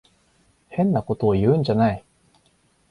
変なことを言うんじゃない。